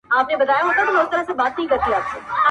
زه چي د «مينې» وچي سونډې هيڅ زغملای نه سم_